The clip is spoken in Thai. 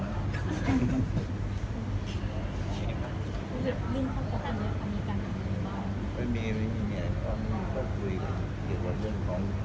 ไม่มีเหมือนของเราพูดเฉพาะเรื่องของ